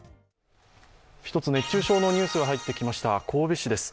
一つ、熱中症のニュースが入ってきました、神戸市です。